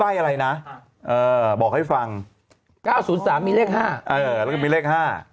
อะไรนะเออบอกให้ฟังเก้าศูนย์สามมีเลขห้าเออแล้วก็มีเลข๕